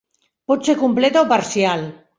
Pot ser completa o parcial.